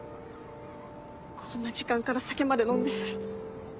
こんな時間から酒まで飲んで。